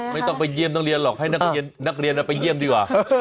ไม่ต้องไปเยี่ยมนักเรียนหรอกให้นักเรียนไปเยี่ยมดีกว่า